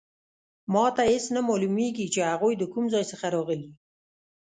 ما ته هیڅ نه معلومیږي چې هغوی د کوم ځای څخه راغلي